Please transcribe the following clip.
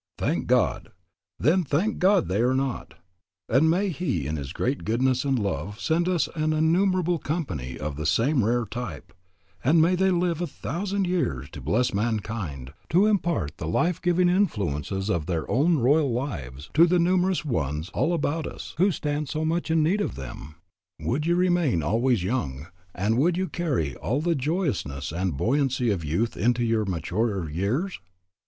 Thank God, then, thank God they are not. And may He in His great goodness and love send us an innumerable company of the same rare type; and may they live a thousand years to bless mankind, to impart the life giving influences of their own royal lives to the numerous ones all about us who stand so much in need of them. Would you remain always young, and would you carry all the joyousness and buoyancy of youth into your maturer years?